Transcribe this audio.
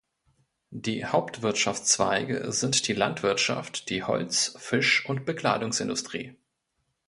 Die Hauptwirtschaftszweige sind die Landwirtschaft, die Holz-, Fisch- und Bekleidungsindustrie.